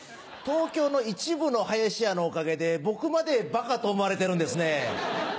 東京の一部の林家のおかげで僕までバカと思われてるんですね。